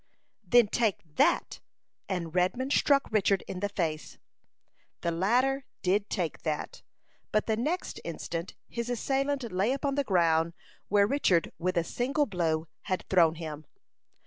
"Then take that;" and Redman struck Richard in the face. The latter did take that, but the next instant his assailant lay upon the ground, where Richard with a single blow had thrown him.